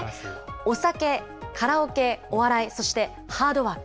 お酒、カラオケ、お笑い、そしてハードワーク。